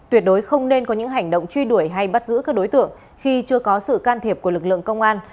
tuyệt đối không nên có những hành động truy đuổi hay bắt giữ các đối tượng khi chưa có sự can thiệp của lực lượng công an